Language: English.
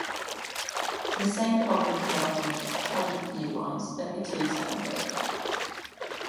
The same problem developed in the propellant feed lines thirty-two seconds later.